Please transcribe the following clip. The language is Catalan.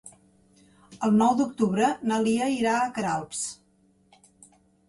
El nou d'octubre na Lia irà a Queralbs.